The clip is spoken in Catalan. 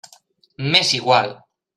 M'és igual.